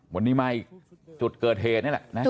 วันนี้มาอีกจุดเกิดเหตุนี่แหละนะ